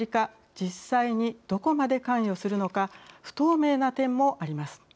実際にどこまで関与するのか不透明な点もあります。